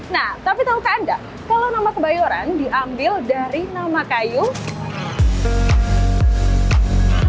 nah tapi tahu ke anda kalau nama kebayaran diambil dari nama kayu